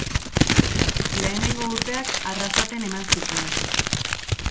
Lehenengo urteak Arrasaten eman zituen.